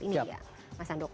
ini dia mas andoko